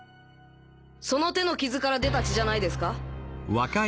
その手のキズから出た血じゃないですか？